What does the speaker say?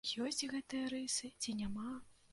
Ёсць гэтыя рысы ці няма?